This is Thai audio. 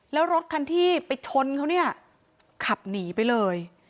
แล้วรถคันที่ไปชนเขาเนี่ยขับหนีไปเลย